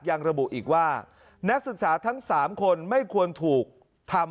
ยังระบุอีกว่านักศึกษาทั้ง๓คนไม่ควรถูกทำ